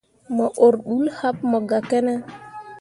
Mo ur ḍul happe mo gah ki ne.